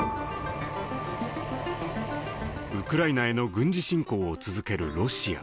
ウクライナへの軍事侵攻を続けるロシア。